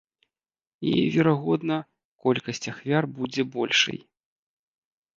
І верагодна, колькасць ахвяр будзе большай.